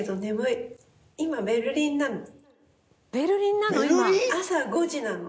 ベルリンなの？